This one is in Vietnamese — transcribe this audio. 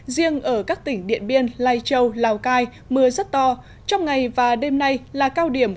riêng ở các tỉnh điện biên lai châu lào cai mưa rất to trong ngày và đêm nay là cao điểm